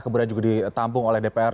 kemudian juga ditampung oleh dpr